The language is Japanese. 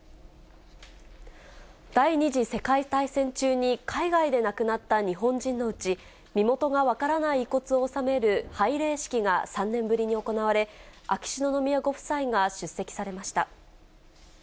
第２次世界大戦中に海外で亡くなった日本人のうち、身元が分からない遺骨を納める拝礼式が３年ぶりに行われ、秋篠宮ご夫妻が出席されました。